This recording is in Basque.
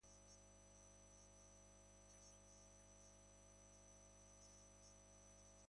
Nazioartera begira ere, baitugu zenbait nobedade.